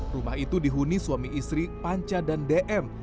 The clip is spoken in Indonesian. rumah itu dihuni suami istri panca dan dm